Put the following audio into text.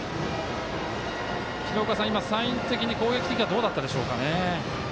廣岡さん、サイン的には攻撃はどうだったでしょうか？